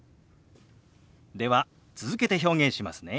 では続けて表現しますね。